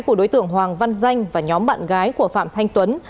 của đối tượng hoàng văn danh và nhóm bạn gái của phạm thanh tuấn